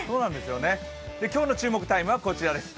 今日の注目タイムはこちらです。